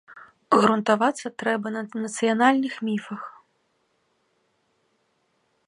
Грунтавацца трэба на нацыянальных міфах.